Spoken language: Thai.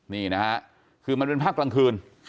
นี่นะฮะคือมันเป็นภาพกลางคืน